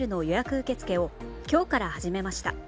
受け付けを今日から始めました。